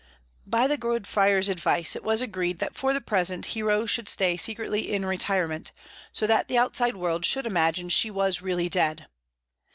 By the good Friar's advice, it was agreed that for the present Hero should stay secretly in retirement, so that the outside world should imagine she was really dead.